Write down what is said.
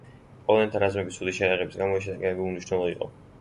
პოლონელთა რაზმების ცუდი შეიარაღების გამო ეს შეტაკებები უმნიშვნელო იყო.